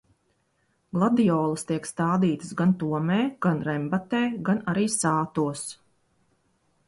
Gladiolas tiek stādītas gan Tomē, gan Rembatē, gan arī Sātos.